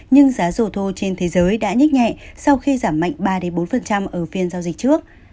nhưng giá dầu thô trên thế giới đã nhích nhẹ sau khi giảm mạnh ba bốn ở phiên giao dịch trước